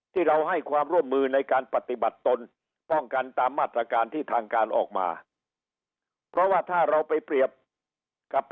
ที่เราให้ความร่วมมือในการปฏิบัติตนป้องกันตามมาตรการที่ทางการออกมา